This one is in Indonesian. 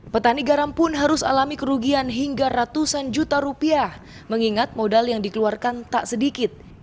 petani garam pun harus alami kerugian hingga ratusan juta rupiah mengingat modal yang dikeluarkan tak sedikit